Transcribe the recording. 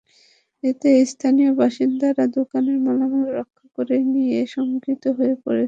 এতে স্থানীয় ব্যবসায়ীরা দোকানের মালামাল রক্ষা করা নিয়ে শঙ্কিত হয়ে পড়েছেন।